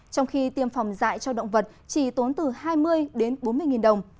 trong khi tiêm phòng dạy cho động vật chỉ tốn từ hai mươi đến bốn mươi nghìn đồng